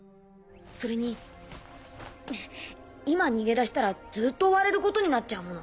・それに今逃げ出したらずっと追われることになっちゃうもの。